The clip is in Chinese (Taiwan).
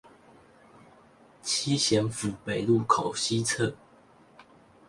七賢府北路口西側